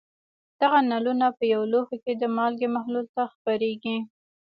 دغه نلونه په یو لوښي کې د مالګې محلول ته خپرېږي.